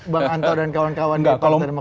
bang anto dan kawan kawan dari partai demokrat